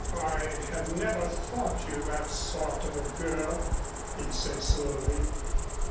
"I had never thought you that sort of a girl," he said slowly.